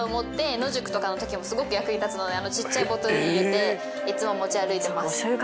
野宿とかのときもすごく役に立つのであのちっちゃいボトルに入れていつも持ち歩いています。